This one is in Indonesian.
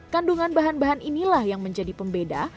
kandungan bahan bahan inilah yang menjadi pembeda